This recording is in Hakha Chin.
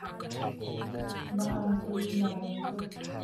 Na angki naa rem tuk.